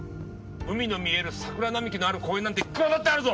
海の見える桜並木のある公園なんていっくらだってあるぞ！